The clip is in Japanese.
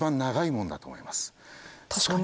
確かに。